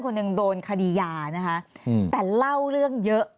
แต่ได้ยินจากคนอื่นแต่ได้ยินจากคนอื่น